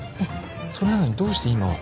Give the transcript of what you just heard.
それなのにどうして今は。